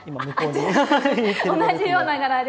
同じような柄で。